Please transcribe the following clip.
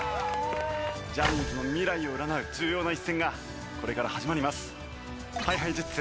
ジャニーズの未来を占う重要な一戦がこれから始まります。ＨｉＨｉＪｅｔｓ